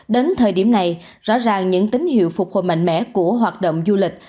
đến thời điểm này rõ ràng những tín hiệu phục hồi mạnh mẽ của hoạt động du lịch